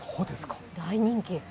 大人気。